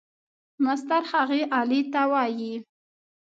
مسطر هغې آلې ته وایي.